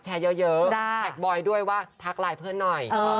เยอะแท็กบอยด้วยว่าทักไลน์เพื่อนหน่อย